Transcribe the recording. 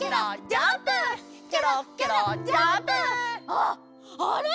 あっあれ？